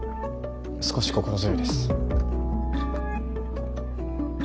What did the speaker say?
少し心強いです。